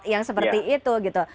yang seperti itu gitu